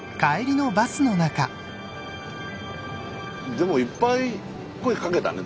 でもいっぱい声かけたね。